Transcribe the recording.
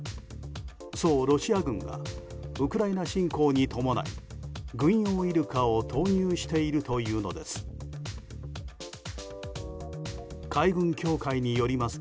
そうロシア軍がウクライナ侵攻に伴い軍用イルカを投入しているというのです。